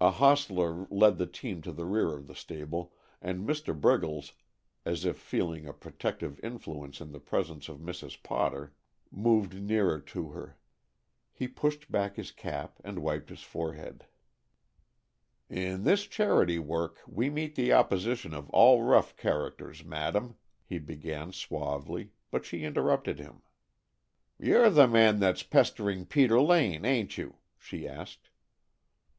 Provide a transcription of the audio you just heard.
A hostler led the team to the rear of the stable, and Mr. Briggles, as if feeling a protective influence in the presence of Mrs. Potter, moved nearer to her. He pushed back his cap and wiped his forehead. "In this charity work we meet the opposition of all rough characters, Madame," he began suavely, but she interrupted him. "You 're the man that's pestering Peter Lane, ain't you?" she asked.